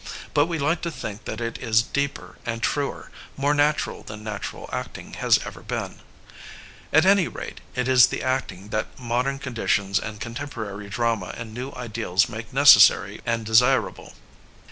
But we like to think that it is deeper and truer, more natural than natural acting has ever been. At any rate, it is the acting that Digitized by LjOOQIC THE ACTOR IN ENGLAND 559 modem conditions and contemporary drama and new ideals make necessary and desirable.